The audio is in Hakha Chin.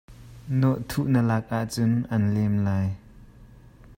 Nawhthuh na lak ahcun a'n lem lai.